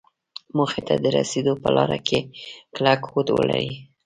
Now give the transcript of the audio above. موخې ته د رسېدو په لاره کې کلک هوډ ولري.